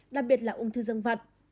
đặc biệt là ung thư dương vật